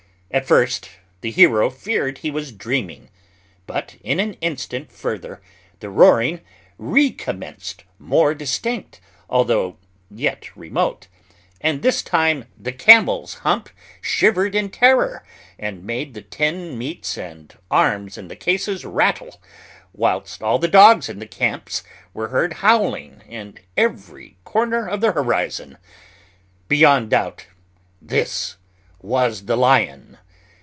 At first the hero feared he was dreaming; but in an instant further the roaring recommenced more distinct, although yet remote; and this time the camel's hump shivered in terror, and made the tinned meats and arms in the cases rattle, whilst all the dogs in the camps were heard howling in every corner of the horizon. Beyond doubt this was the lion.